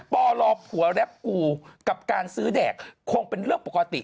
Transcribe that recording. ปลผัวแรปกูกับการซื้อแดกคงเป็นเรื่องปกติ